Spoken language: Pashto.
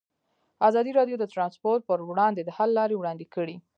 ازادي راډیو د ترانسپورټ پر وړاندې د حل لارې وړاندې کړي.